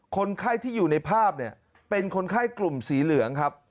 คนไข้ที่อยู่ในภาพเนี่ยเป็นคนไข้กลุ่มสีเหลืองครับ